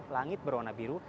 langit berwarna biru